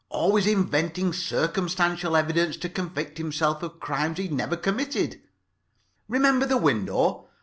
Always inventing circumstantial evidence to convict himself of crimes he had never committed. Remember the window?